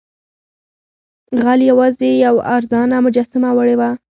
غل یوازې یوه ارزانه مجسمه وړې وه.